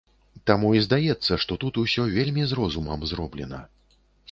Таму і здаецца, што тут усё вельмі з розумам зроблена.